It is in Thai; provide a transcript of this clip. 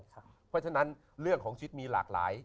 เพราะฉะนั้นเรื่องของชิดมีหลากหลาย